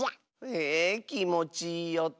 へえきもちいいおと！